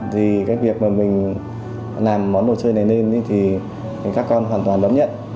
thì cái việc mà mình làm món đồ chơi này lên thì các con hoàn toàn đón nhận